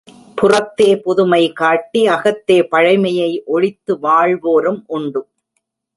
புறத்தே புதுமை காட்டி அகத்தே பழைமையை ஒளித்து வாழ்வோரும் உண்டு.